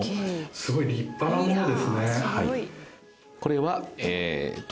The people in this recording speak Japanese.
すごい立派なものですね。